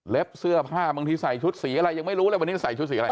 เสื้อผ้าบางทีใส่ชุดสีอะไรยังไม่รู้เลยวันนี้ใส่ชุดสีอะไร